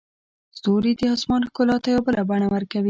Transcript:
ستوري د اسمان ښکلا ته یو بله بڼه ورکوي.